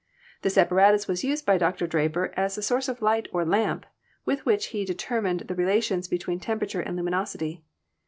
This apparatus was used by Dr. Draper as a source of light or lamp with which he deter mined the relations between temperature and luminosity.